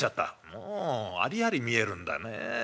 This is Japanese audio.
「もうありあり見えるんだね。